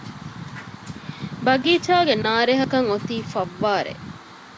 ބަގީޗާގެ ނާރެހަކަށް އޮތީ ފައްވާރެއް